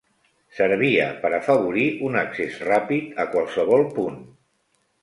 Servia per afavorir un accés ràpid a qualsevol punt.